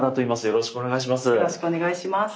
よろしくお願いします。